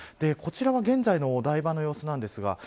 こちらは現在のお台場の様子です。